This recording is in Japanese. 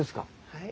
はい。